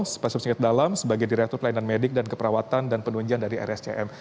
spesial pesenggit dalam sebagai direktur pelayanan medik dan keperawatan dan penunjian dari rscm